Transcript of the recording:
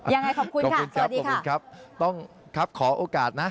ยังไงขอบคุณค่ะสวัสดีครับต้องครับขอโอกาสนะ